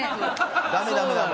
ダメダメダメ。